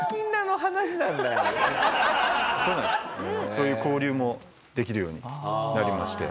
そういう交流もできるようになりまして。